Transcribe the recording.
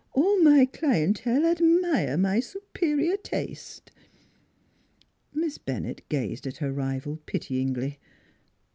" All my clientele admire my superior taste." Miss Bennett gazed at her rival pityingly.